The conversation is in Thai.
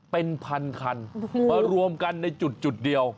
เป็นพันคันมารวมกันในจุดเดียว